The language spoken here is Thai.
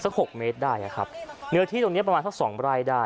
สัก๖เมตรได้ครับเนื้อที่ตรงนี้ประมาณสัก๒ไร่ได้